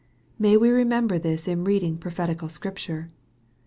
May we remember this in reading prophetical Scripture